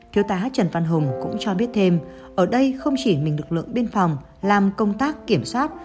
thiếu tá trần văn hùng cũng cho biết thêm ở đây không chỉ mình lực lượng biên phòng làm công tác kiểm soát